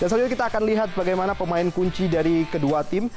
dan selanjutnya kita akan lihat bagaimana pemain kunci dari kedua tim